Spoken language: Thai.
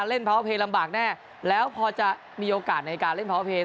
เล่นพาวเวอร์เพลย์ลำบากแน่แล้วพอจะมีโอกาสในการเล่นพาวเวอร์เพลย์